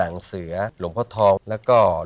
เก็บเงินซื้อพระองค์เนี่ยเก็บเงินซื้อพระองค์เนี่ย